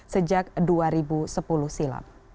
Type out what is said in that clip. sejak dua ribu sepuluh silam